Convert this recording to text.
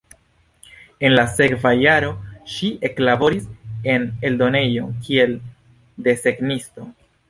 En la sekva jaro ŝi eklaboris en eldonejo, kiel desegnisto.